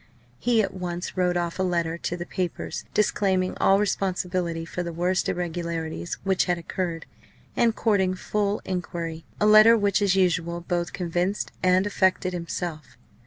He at once wrote off a letter to the papers disclaiming all responsibility for the worst irregularities which had occurred, and courting full enquiry a letter which, as usual, both convinced and affected himself.